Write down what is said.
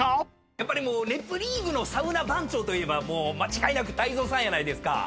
やっぱり『ネプリーグ』のサウナ番長といえば間違いなく泰造さんやないですか。